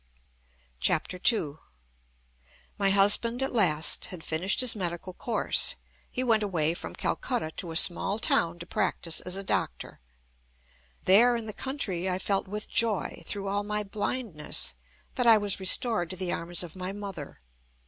II My husband at last had finished his medical course. He went away from Calcutta to a small town to practise as a doctor. There in the country I felt with joy, through all my blindness, that I was restored to the arms of my mother.